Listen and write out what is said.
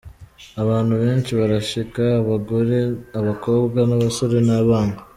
Abantu benshi barashika: abagore, abakobwa n' abasore n’abana.